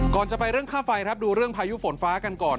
ก่อนจะไปเรื่องค่าไฟครับดูเรื่องพายุฝนฟ้ากันก่อน